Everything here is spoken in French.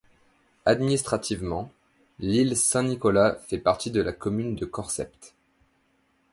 Administrativement, l'île Saint-Nicolas fait partie de la commune de Corsept.